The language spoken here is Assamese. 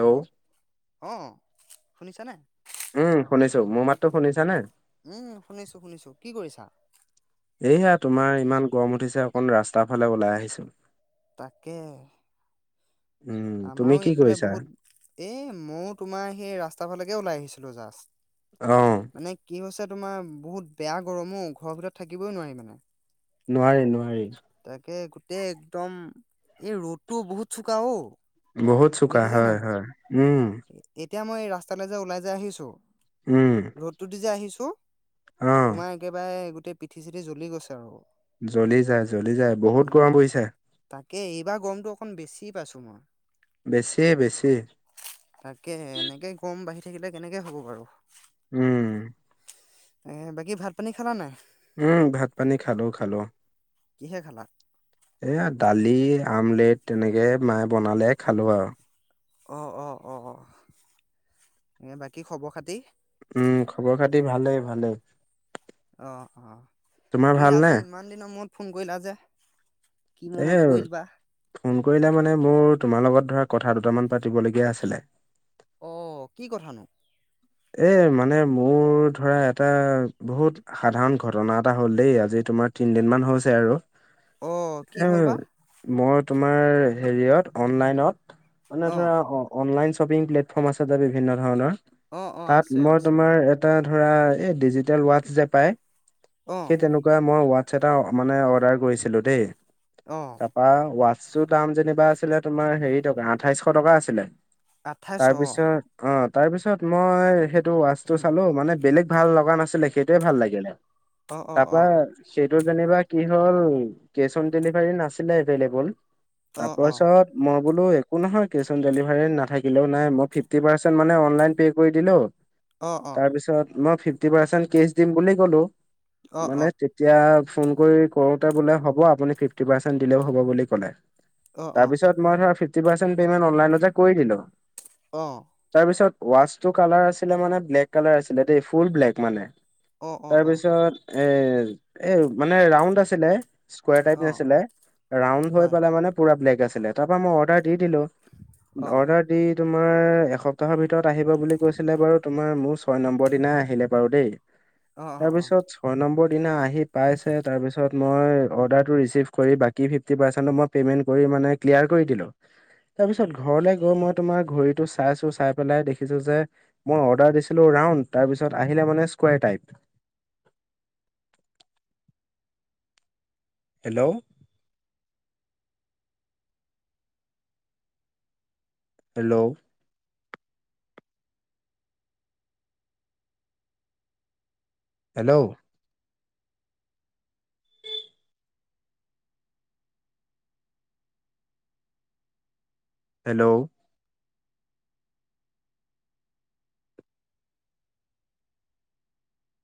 হেল্ল' অ' শুনিছানে? উম, শুনিছো মোৰ মাতো শুনিছা নে? উম, শুনিছো শুনিছো কি কৰিছা? এইয়া তোমাৰ ইমান গৰম উঠিছে অকন ৰাস্তাৰ ফালে ওলাই আহিছো। তাকে। উম তুমি আমাৰো কি এইফালে কৰিছা? বহুত এ মইয়ো তোমাৰ সেই ৰাস্তা ফালেকে ওলাই আহিছিলো অহ জাষ্ট। মানে কি হৈছে তোমাৰ বহুত বেয়া গৰমো ঘৰৰ ভিতৰত থাকিবই নোৱাৰি মানে। নোৱাৰি নোৱাৰি। এ একদম এই ৰ'দতটো বহুত চোকা অ'। বহুত চোকা দেখিছা হয় নাই বাৰু হয় উম। এতিয়া মই ৰাস্তালৈ যে ওলাই যে আহিছো উম ৰদটো দি যে আহিছো। অহ তোমাৰ একেবাৰে গোটেই পিঠি চিঠি জ্বলি গৈছে আৰু। জ্বলি যায় জ্বলি যায় বহুত ই গৰম পৰিছে। তাকে এইবাৰ গৰমটো অকণ বেছি পাইছোঁ মই। বেছিয়ে বেছি। তাকে এনেকে গৰম বাঢ়ি থাকিলে কেনেকে হ'ব বাৰু। উম। এ বাকী ভাত পানী খালা নাই? উম, ভাত পানী খালো খালো। কিহে খালা? এয়া দালি আমলেট তেনেকে মায়ে বনালে খালোঁ আৰু। অ', অ', অ', বাকী খবৰ খাতি? উম, খবৰ খাতি ভালেই ভালে। অ', অ', এই ভালনে? আজি ইমান দিনৰ মূৰত ফোন কৰিলা যে। কি এ মনত পৰিল বা ফোন কৰিলে মানে বহুত তোমাৰ লগত ধৰা কথা দুটামান পাতিবলগীয়া আছিলে। অ', কি কথানো? এ মানে মোৰ ধৰা এটা বহুত সাধাৰণ ঘটনা এটা হ'ল দেই আজি তোমাৰ তিনদিন মান হৈছে আৰু। অ কি এ হ'ল বা মই তোমাৰ হেৰিয়ত অনলাইনত। মানে অ এটা অনলাইন শ্বপিং প্লেটফৰ্ম আছে বিভিন্ন ধৰণৰ। অ অ তাত আছে অ মই আছে অ তোমাৰ এটা ধৰা এই ডিজিটেল ৱাচছ যে পাই। অ সেই তেনেকুৱাই মই হোৱাটছ এটটা মানে ডাৰ কৰিছিলো দেই। অ কাৰ পা টচৰ দাম যেনিবা আছিলে তোমাৰ হেৰি টকা আঠাইশ টকা আছিলে। আঠাইছ তাৰ অ পিছত অ' তাৰপিছত মই সেইটো ৱাচটো উম চালো মানে বেলেগ ভাল লগা নাছিলে সেইটোয়ে ভাল লাগিলে। অ অ তাৰ অ পৰা টো যেনিবা কি হ'ল কেচ অন ডেলিভাৰী নাছিলে এভেইলেবল। অ তাৰপাছত মই বোলো একো নহয় কে অন ডেলিভাৰী নাথাকিলেও নাই মই ফিফটি পাৰ্চেন্ট মানে অনলাইন পে' কৰি দিলো। অ অ তাৰ পিছত মই ফিফটি পাৰ্চেন্ট কেচ দিম বুলি ক'লো অ অ অ মানে তেতিয়া। ফোন কৰি কৰোতে বোলে হ'ব আপুনি ফিফটি পাৰ্চেন্ট দিলেও হ'ব বুলি ক'লে। অ অ অ তাৰপিছত মই ধৰ ফিফটি পাচেণ্ট অনলাইনতে কৰি দিলো। তাৰপিছত ৱছ কালাৰ আছিলে মানে ব্লেক কালাৰ আছিলে দেই ফুল ব্লেক মানে অ অ অ তাৰপিছত এ এ মানে ৰাউনণ্ড আছিলে। স্ক টাইপ অ নাছিলে ৰাউনণ্ড হৈ হয় পেলাই মানে পুৰা ব্লেক আছিলে তাৰ পৰা মই অৰ্ডাৰ। দি দিলো অ অৰ্ডাৰ দি তোমাৰ এসপ্তাহৰ ভিতৰত আহিব বুলি। কৈছিলে বাৰু তোমাৰ মোৰ ছয় নম্বৰ দিনাই আহিলে বাৰু দে অ অ তাৰ অ পিছত ছয় নম্বৰ দিনা আহি পাইছে, তাৰপাছত মই উম অডাৰ্টো ৰিচিভ কৰি বাকী ফিফটি পাৰ্চেন্টে দি কিলিয়াৰ কৰি দিলোঁ। তাৰপিছত ঘৰলৈ গৈ মই তোমাৰ ঘড়ীটো চাইছো চাই পেলাই দেখিছো যে মই অৰ্ডাৰ দিছিলোঁ ৰাউনণ্ড তাৰপিছত আহিলে মানে স্ক type. [inaudible] Hello hello hello hello